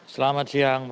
selamat siang mas rio